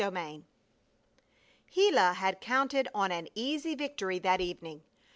CHAPTER XX Gila had counted on an easy victory that evening.